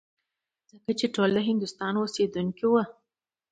ځکه چې ټول د هندوستان اوسېدونکي وو.